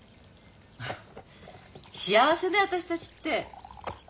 幸せね私たちって。